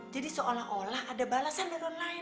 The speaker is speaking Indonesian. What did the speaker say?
jadi seolah olah ada balasan dari orang lain